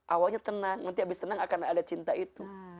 awalnya tenang nanti habis tenang akan ada cinta itu